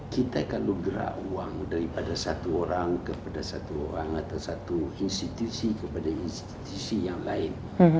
kita kalau gerak uang daripada satu orang kepada satu orang atau satu institusi kepada institusi yang lain